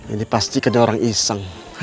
ini pasti kedai orang iseng